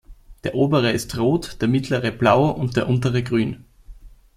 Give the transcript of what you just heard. Der Obere ist rot, der Mittlere Blau und der Untere grün.